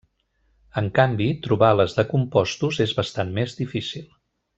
En canvi, trobar les de compostos és bastant més difícil.